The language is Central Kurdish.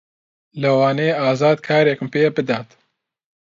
لەوانەیە ئازاد کارێکم پێ بدات.